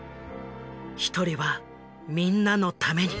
一人はみんなのために。